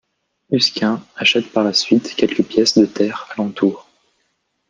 Usquin achète par la suite quelques pièces de terre alentour.